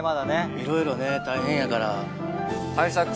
いろいろね大変やから。